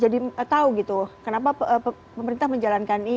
jadi semua tahu kenapa pemerintah menjalankan ini